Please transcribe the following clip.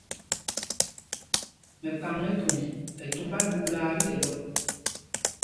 Mɛkphaŋmɛtum ɛ tombá ɗuulaa tí ɗɛ́l ɔ.